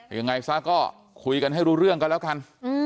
ยังไงซะก็คุยกันให้รู้เรื่องก็แล้วกัน